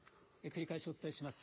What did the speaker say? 繰り返しお伝えします。